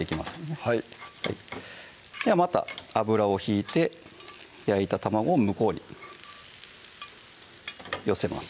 はいではまた油を引いて焼いた卵を向こうに寄せます